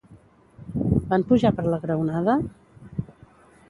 Van pujar per la graonada?